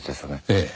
ええ。